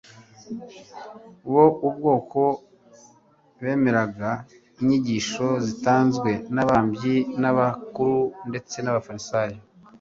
bo ubwabo bemeraga inyigisho zitanzwe n'abatambyi n'abakuru ndetse n'abafarisayo.